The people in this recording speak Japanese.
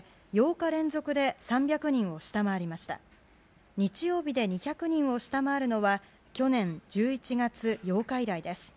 日曜日で２００人を下回るのは去年１１月８日以来です。